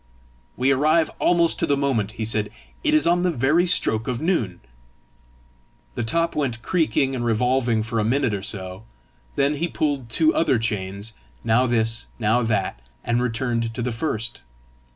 "We arrive almost to the moment!" he said; "it is on the very stroke of noon!" The top went creaking and revolving for a minute or so. Then he pulled two other chains, now this, now that, and returned to the first.